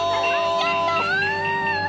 やった！